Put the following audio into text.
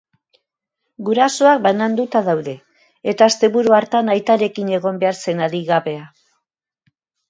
Gurasoak bananduta daude eta asteburu hartan aitarekin egon behar zen adingabea.